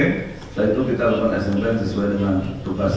setelah itu kita lakukan eksentrinya sesuai dengan tugas